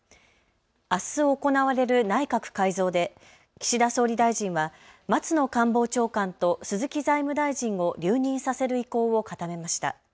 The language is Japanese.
あす行われる内閣改造で岸田総理大臣は松野官房長官と鈴木財務大臣を留任させる意向を固めました。